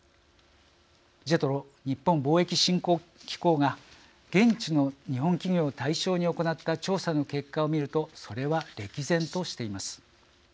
ＪＥＴＲＯ＝日本貿易振興機構が現地の日本企業を対象に行った調査の結果を見るとそれは歴然としています。